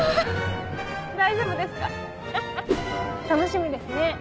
楽しみですね！